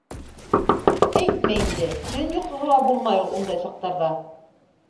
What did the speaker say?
— Әйтмә инде, төн йоҡоһо ла булмай ул ундай саҡтарҙа.